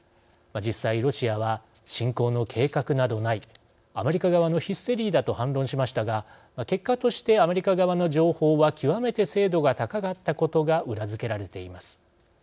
実際、ロシアは「侵攻の計画などない」「アメリカ側のヒステリーだ」と反論しましたが結果として、アメリカ側の情報は極めて精度が高かったことが裏付けられています。